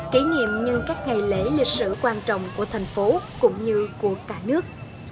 kỷ niệm nhưng các ngày lễ lịch sử quan trọng của thành phố cũng như của cả nước